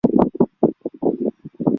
父徐灏。